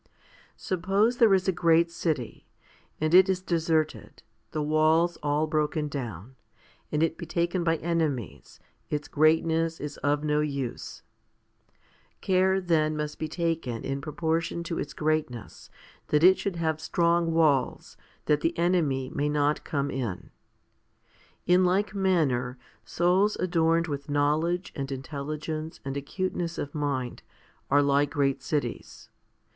1. SUPPOSE there is a great city, and it is deserted, the walls all broken down, and it be taken by enemies, its greatness is of no use. Care then must be taken in pro portion to its greatness that it should have strong walls, that the enemy may not come in. In like manner, souls adorned with knowledge and intelligence and acuteness of mind are like great cities.